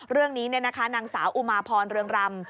เรื่องนี้นางสาวอุมาพรเรืองรำ